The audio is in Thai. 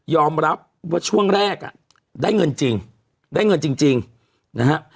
รับว่าช่วงแรกอ่ะได้เงินจริงได้เงินจริงนะฮะ